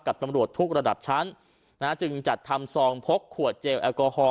ตำรวจทุกระดับชั้นนะฮะจึงจัดทำซองพกขวดเจลแอลกอฮอล